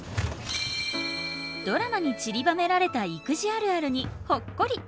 ドラマにちりばめられた育児あるあるにほっこり。